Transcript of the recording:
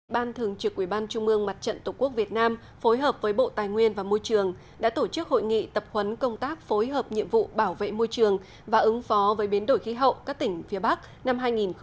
ban thường trực ubnd tổ quốc việt nam phối hợp với bộ tài nguyên và môi trường đã tổ chức hội nghị tập huấn công tác phối hợp nhiệm vụ bảo vệ môi trường và ứng phó với biến đổi khí hậu các tỉnh phía bắc năm hai nghìn một mươi chín